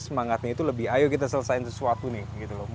semangatnya itu lebih ayo kita selesaikan sesuatu nih